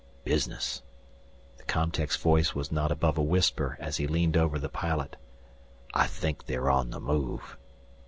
"Business," the com tech's voice was not above a whisper as he leaned over the pilot. "I think they are on the move."